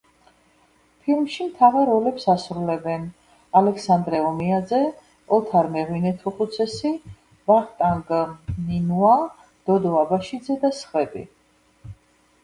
ფილმში მთავარ როლებს ასრულებენ: ალექსანდრე ომიაძე, ოთარ მეღვინეთუხუცესი, ვახტანგ ნინუა, დოდო აბაშიძე და სხვები.